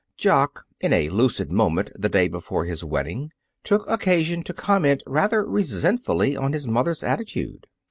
Jock, in a lucid moment the day before his wedding, took occasion to comment rather resentfully on his mother's attitude.